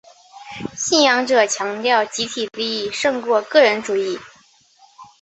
信仰者强调集体利益胜过个人主义。